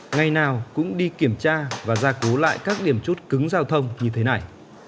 ngày nào cũng đi kiểm tra và gia cố lại các điểm chốt cứng giao thông như thế này